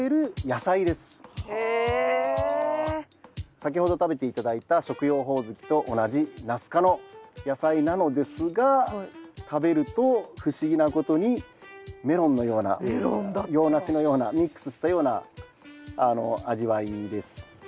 先ほど食べて頂いた食用ホオズキと同じナス科の野菜なのですが食べると不思議なことにメロンのような洋梨のようなミックスしたような味わいです。